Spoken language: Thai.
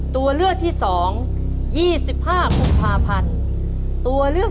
ตัวเลือกที่ที่เป็น